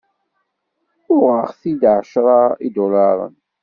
Uɣeɣ-t-id ɛecra idularen.